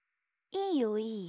いいよいいよ。